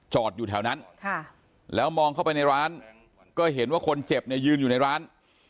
อยู่แถวนั้นแล้วมองเข้าไปในร้านก็เห็นว่าคนเจ็บเนี่ยยืนอยู่ในร้าน